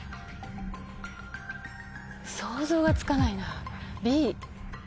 想像がつかないなＢ？